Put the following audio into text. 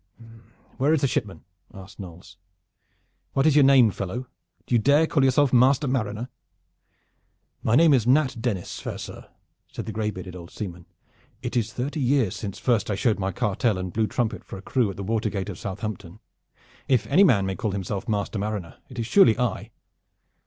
"Where is the Shipman?" asked Knolles. "What is your name, fellow? Do you dare call yourself master mariner?" "My name is Nat Dennis, fair sir," said the gray bearded old seaman. "It is thirty years since first I showed my cartel and blew trumpet for a crew at the water gate of Southampton. If any man may call himself master mariner, it is surely I."